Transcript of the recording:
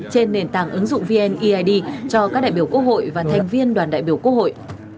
trên nền tảng ứng dụng vneid cho các đại biểu quốc hội và thành viên đoàn đại biểu quốc hội